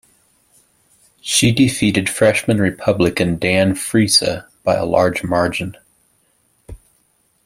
She defeated freshman Republican Dan Frisa by a large margin.